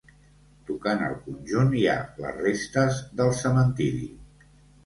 Tocant al conjunt hi ha les restes del cementiri.